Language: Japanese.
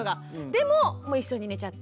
でも一緒に寝ちゃって。